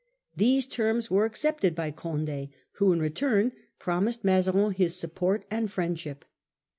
These terms were accepted by Condd, who in return promised Mazarin his support and friendship.